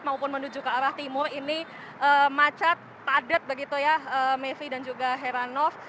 maupun menuju ke arah timur ini macet padat begitu ya mevri dan juga heranov